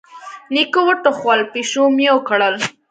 نيکه وټوخل، پيشو ميو کړل.